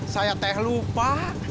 saya teh lupa